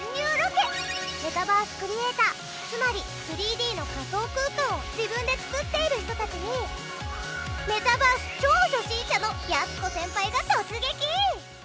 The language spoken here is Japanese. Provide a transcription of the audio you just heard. メタバースクリエイターつまり３Ｄの仮想空間を自分で作っている人たちにメタバース超初心者のやす子先輩が突撃！